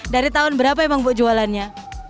dari tahun berapa emang bu jualannya